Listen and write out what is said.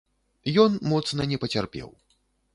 Ён моцна не пацярпеў.